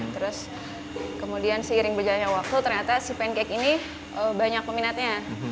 terus kemudian seiring berjalannya waktu ternyata si pancake ini banyak peminatnya